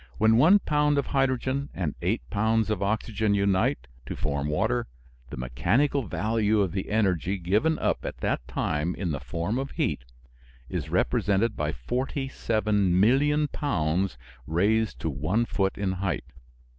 When one pound of hydrogen and eight pounds of oxygen unite to form water the mechanical value of the energy given up at that time in the form of heat is represented by 47,000,000 pounds raised to one foot in height.